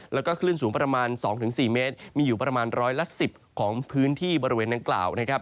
แล้วก็คลื่นสูงประมาณ๒๔เมตรมีอยู่ประมาณร้อยละ๑๐ของพื้นที่บริเวณดังกล่าวนะครับ